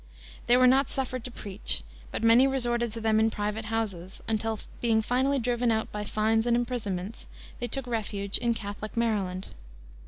They were not suffered to preach, but many resorted to them in private houses, until, being finally driven out by fines and imprisonments, they took refuge in Catholic Maryland.